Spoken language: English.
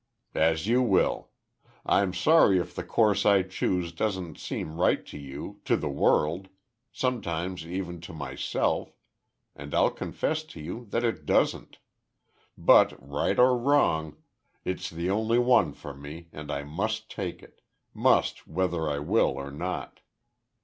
"As you will.... I'm sorry if the course I choose doesn't seem right to you to the world sometimes even to myself and I'll confess to you that it doesn't But, right, or wrong, it's the only one for me, and I must take it must, whether I will or not.